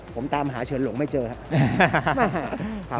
ผมตามหาเชิญหลงไม่เจอครับ